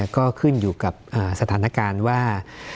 ก็ขึ้นอยู่กับสถานการณ์ว่า